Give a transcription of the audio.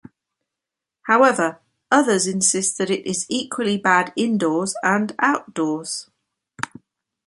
However, others insist that it is equally bad indoors and outdoors.